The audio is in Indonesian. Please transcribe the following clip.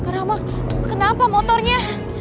rama kenapa motornya